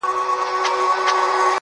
تا راته نه ويل د کار راته خبري کوه ,